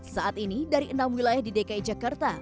saat ini dari enam wilayah di dki jakarta